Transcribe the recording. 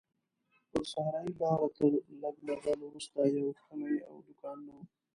پر صحرایي لاره تر لږ مزل وروسته یو کلی او دوکانونه وو.